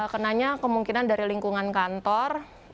kenanya kemungkinan dari lingkungan kantor